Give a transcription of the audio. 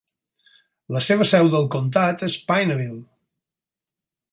La seva seu del comtat és Pineville.